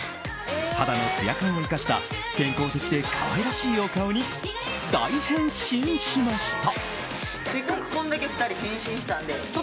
肌のつや感を生かした健康的で可愛らしいお顔に大変身しました。